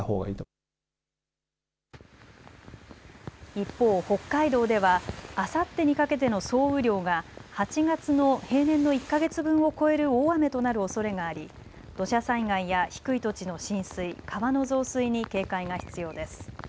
一方、北海道ではあさってにかけての総雨量が８月の平年の１か月分を超える大雨となるおそれがあり土砂災害や低い土地の浸水川の増水に警戒が必要です。